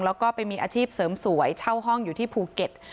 แล้วก็ไปมีอาชีพเสริมสวยเช่าห้องอยู่ที่ภูเก็ต